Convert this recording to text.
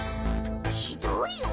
ひどいよ。